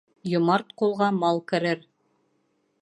Йомарт ҡулға мал керер.